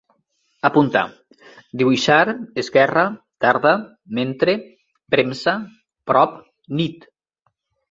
Apunta: dibuixar, esquerra, tarda, mentre, premsa, prop, nit